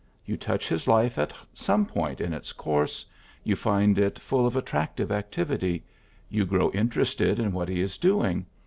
You touch his life at some point in its course : you find it full of attractive activity ; you grow interested in what he is doing.